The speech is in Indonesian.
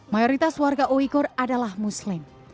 mayoritas warga uykur adalah muslim